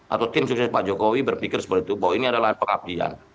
atau tim sukses pak jokowi berpikir seperti itu bahwa ini adalah pengabdian